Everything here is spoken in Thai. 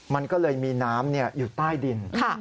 มันก็เลยมีน้ำอยู่ใต้ดิน